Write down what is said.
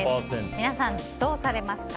皆さん、どうされますか？